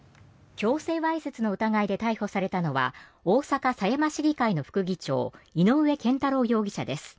強制わいせつの疑いで逮捕されたのは大阪狭山市議会の副議長井上健太郎容疑者です。